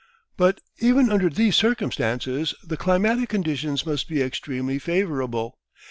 But even under these circumstances the climatic conditions must be extremely favourable.